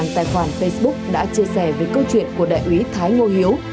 hàng ngàn tài khoản facebook đã chia sẻ về câu chuyện của đại úy thái ngô hiếu